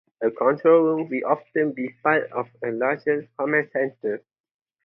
A control room will often be part of a larger command center.